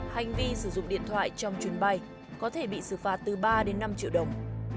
hành vi sử dụng điện thoại trong chuyến bay có thể bị xử phạt từ ba đến năm triệu đồng